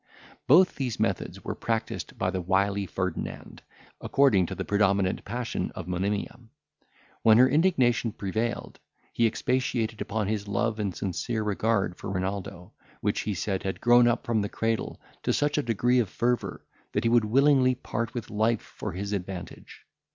Both these methods were practised by the wily Ferdinand, according to the predominant passion of Monimia. When her indignation prevailed, he expatiated upon his love and sincere regard for Renaldo, which, he said, had grown up from the cradle, to such a degree of fervour, that he would willingly part with life for his advantage.